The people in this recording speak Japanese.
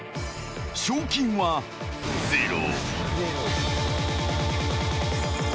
賞金はゼロ。